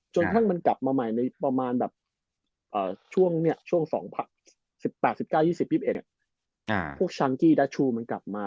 จนทั้งมันกลับมาใหม่ในประมาณช่วง๒๐๑๘๒๐๑๙พวกชังกี้ดาชูมันกลับมา